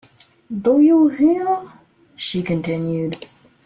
'Do you hear?’ she continued.